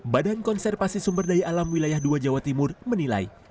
badan konservasi sumber daya alam wilayah dua jawa timur menilai